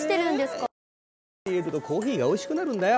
こうやって入れるとコーヒーがおいしくなるんだよ。